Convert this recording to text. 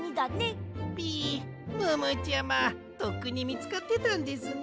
ピムームーちゃまとっくにみつかってたんですね。